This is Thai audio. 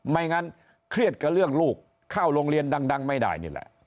ไม่งั้นเครียดกับเรื่องลูกเข้าโรงเรียนดังไม่ได้นี่แหละ